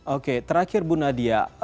oke terakhir bu nadia